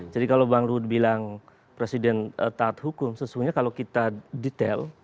jadi kalau bang luhut bilang presiden taat hukum sesungguhnya kalau kita detail